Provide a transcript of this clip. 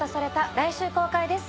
来週公開です。